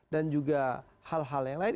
dan juga hal hal yang lain